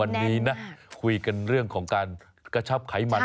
วันนี้นะคุยกันเรื่องของการกระชับไขมัน